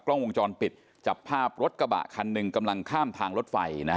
กล้องวงจรปิดจับภาพรถกระบะคันหนึ่งกำลังข้ามทางรถไฟนะฮะ